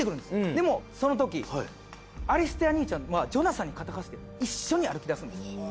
でもそのときアリステア兄ちゃんはジョナサンに肩貸して一緒に歩き出すんです。